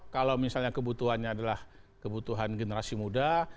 kalau misalnya kebutuhannya adalah kebutuhan generasi muda